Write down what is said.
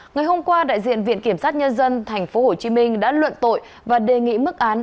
ngày hôm qua đại diện viện kiểm sát nhân dân tp hcm đã luận tội và đề nghị mức án